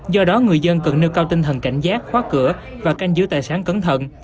do đó người dân cần nêu cao tinh thần cảnh giác khóa cửa và canh giữ tài sản cẩn thận